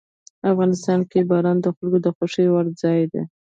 افغانستان کې باران د خلکو د خوښې وړ ځای دی.